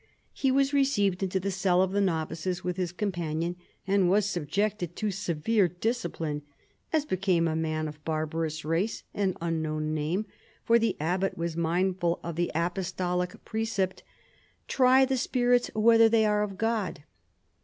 He was received into the cell of the novices with his companion and was subjected to severe dis cipline, as became a man of barbarous race and un known name, for tht . bbot was mindful of the apostolic precept, " Try ihe spirits whether they are of God."